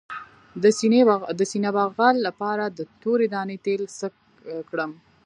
د سینې بغل لپاره د تورې دانې تېل څه کړم؟